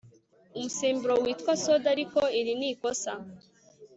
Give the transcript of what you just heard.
umusemburo witwa soda ariko iri ni ikosa